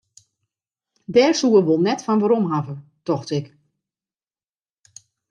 Dêr soe er wol net fan werom hawwe, tocht ik.